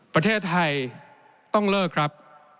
ประเทศไทยต้องเลิกครับ